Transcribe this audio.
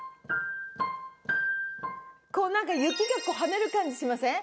こう何か雪が跳ねる感じしません？